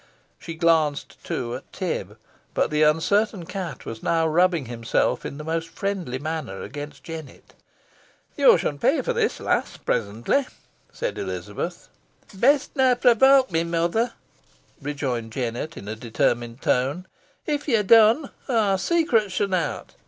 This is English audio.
She glanced too at Tib; but the uncertain cat was now rubbing himself in the most friendly manner against Jennet. "Yo shan pay for this, lass, presently," said Elizabeth. "Best nah provoke me, mother," rejoined Jennet in a determined tone; "if ye dun, aw secrets shan out.